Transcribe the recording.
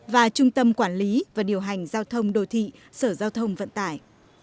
và trung tâm quản lý và điều hành giao thông đồ thị sở giao thông vận tải